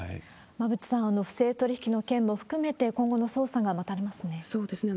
馬渕さん、不正取り引きの件も含めて、今後の捜査が待たれまそうですね。